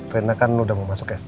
rena kan udah mau masuk sd